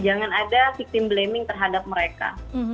jangan ada victim blaming terhadap mereka